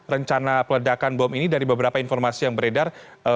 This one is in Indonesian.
rencana peledakan bom ini dari beberapa informasi yang beredar